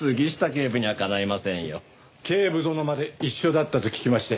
警部殿まで一緒だったと聞きまして。